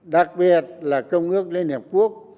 đặc biệt là công ước liên hiệp quốc